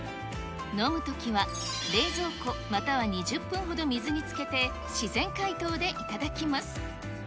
飲むときは冷蔵庫、または２０分ほど水につけて自然解凍で頂きます。